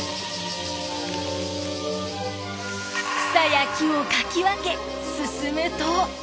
草や木をかき分け進むと。